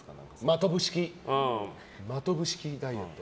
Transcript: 真飛式ダイエット。